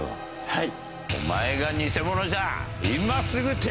はい。